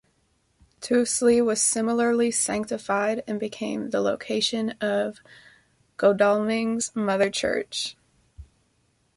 Tuesley was similarly sanctified and became the location of Godalming's "mother church".